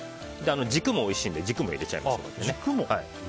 軸もおいしいので軸も入れちゃいましょう。